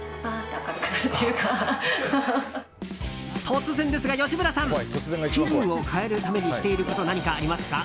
突然ですが、吉村さん気分を変えるためにしていること何かありますか？